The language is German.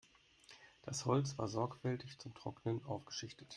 Das Holz war sorgfältig zum Trocknen aufgeschichtet.